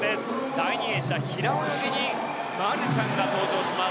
第２泳者、平泳ぎにマルシャンが登場します。